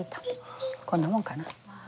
こんなもんかな。